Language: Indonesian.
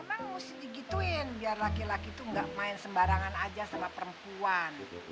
memang harus digituin biar laki laki tuh nggak main sembarangan aja sama perempuan